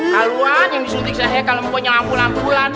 kaluan yang disuntik saya kalau mau nyampul ampulan